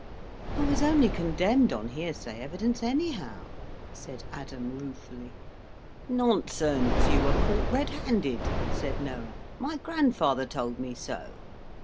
"I was only condemned on hearsay evidence, anyhow," said Adam, ruefully. "Nonsense; you were caught red handed," said Noah; "my grandfather told me so.